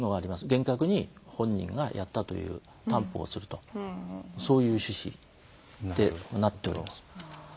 厳格に本人がやったという担保をするという趣旨でなっております。